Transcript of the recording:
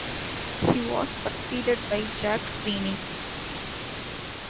He was succeeded by Jack Sweeney.